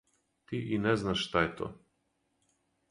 Ти и не знаш шта је то.